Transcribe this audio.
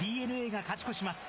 ＤｅＮＡが勝ち越します。